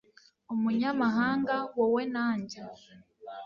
umunyamahanga, wowe na njye